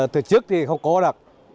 từ trước thì không có được